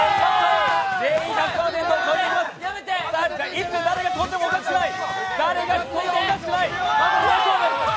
いつ誰が飛んでもおかしくない！